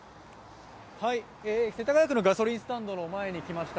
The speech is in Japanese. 世田谷区のガソリンスタンドの前に来ました。